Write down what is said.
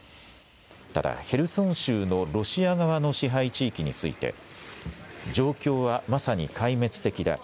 ただ、ヘルソン州のロシア側の支配地域について状況はまさに壊滅的だ。